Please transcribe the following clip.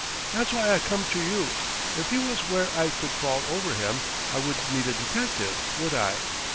That's why I come to you. If he was where I could fall over him, I wouldn't need a detective, would I?